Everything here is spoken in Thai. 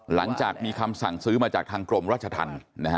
หลังจากมีคำสั่งซื้อมาจากทางกรมราชธรรม